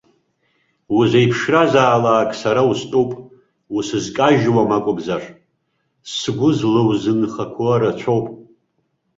Узеиԥшразаалак, сара устәуп, усызкажьуам акәымзар, сгәы злоузынхақәо рацәоуп.